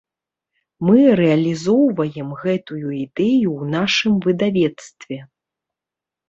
Мы рэалізоўваем гэтую ідэю ў нашым выдавецтве.